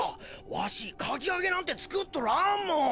わしかきあげなんてつくっとらんもん。